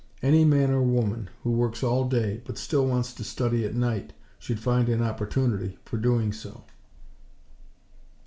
Any man or woman who works all day, but still wants to study at night, should find an opportunity for doing so."